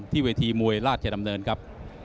เวทีมวยราชดำเนินครับ